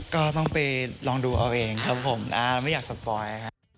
ก็ต้องไปลองดูเอาเองครับผมเราไม่อยากสปอย